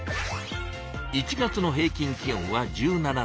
１月の平きん気温は１７℃。